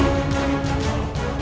ibu undah sadarlah